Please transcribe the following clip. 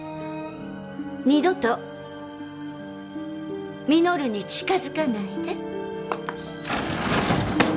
二度と稔に近づかないで。